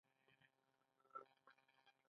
آیا د کورنیو الوتنو بیه کمه نه ده؟